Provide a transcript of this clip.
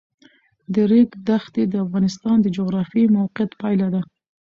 د ریګ دښتې د افغانستان د جغرافیایي موقیعت پایله ده.